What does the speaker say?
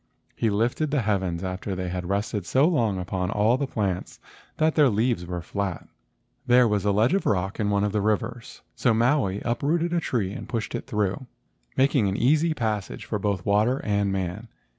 He lifted the heavens after they had rested so long upon all the plants that their leaves were flat. There was a ledge of rock in one of the rivers, so Maui uprooted a tree and pushed it through, making an easy passage for both water and man.